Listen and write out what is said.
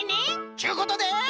ちゅうことで。